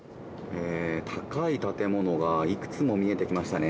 高い建物がいくつも見えてきましたね。